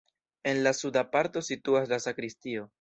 En la suda parto situas la sakristio.